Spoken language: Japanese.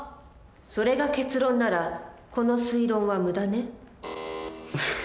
それが結論ならこの推論は無駄ね。